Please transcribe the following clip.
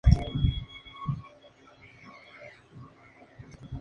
Donde prefiere la piedra caliza.